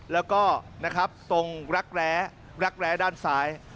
แล้วก็ตรงรักแร้รักแร้ด้านซ้าย